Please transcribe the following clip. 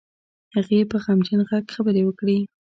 هغې په غمجن غږ خبرې وکړې.